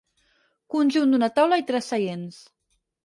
Conjunt d'una taula i tres seients.